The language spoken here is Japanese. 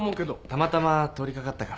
たまたま通りかかったから。